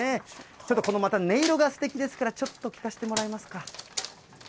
ちょっとこのまた音色がすてきですから、ちょっと聞かせてもらえますか。